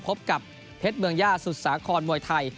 พบกับเพชรเมืองย่าสุดสาครมวยไทย